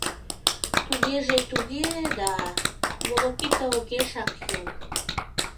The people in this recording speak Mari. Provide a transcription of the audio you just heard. Тугеже туге-е да... волокита огешак йом.